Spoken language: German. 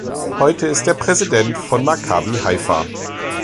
Heute ist er Präsident von Maccabi Haifa.